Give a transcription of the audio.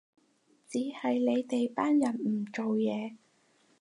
只係你哋班人唔做嘢